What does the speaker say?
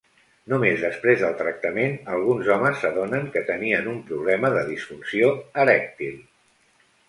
Només després del tractament alguns homes s'adonen que tenien un problema de disfunció erèctil.